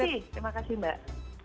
terima kasih mbak